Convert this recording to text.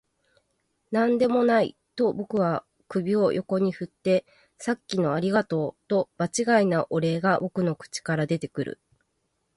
「何でもない」と僕は首を横に振って、「さっきのありがとう」と場違いなお礼が僕の口から出てくる